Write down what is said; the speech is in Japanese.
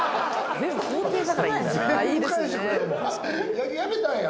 野球やめたんや。